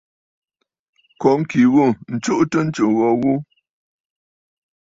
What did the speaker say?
Kó ŋkì ghû ǹtsuʼutə ntsù gho gho.